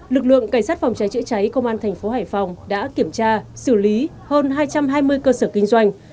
lực lượng cảnh sát phòng cháy cháy cháy công an tp hải phòng đã kiểm tra xử lý hơn hai trăm hai mươi cơ sở kinh doanh